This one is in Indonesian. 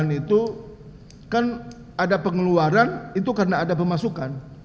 yang sudara catat terkait dengan pengeluaran itu kan ada pengeluaran itu karena ada pemasukan